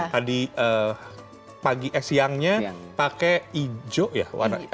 tadi pagi es siangnya pakai hijau ya